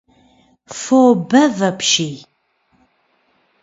Фо бэв апщий.